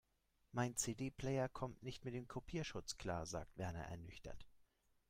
Mein CD-Player kommt nicht mit dem Kopierschutz klar, sagt Werner ernüchtert.